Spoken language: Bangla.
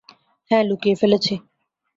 হ্যাঁ, লুকিয়ে ফেলেছি।